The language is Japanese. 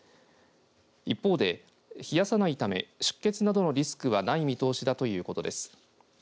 一方で冷やさないため出血などのリスクはない見通しだということです。